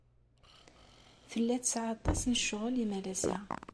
Tella tesɛa aṭas n ccɣel imalas-a.